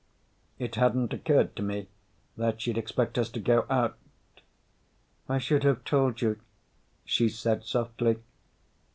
It hadn't occurred to me that she'd expect us to go out. "I should have told you," she said softly.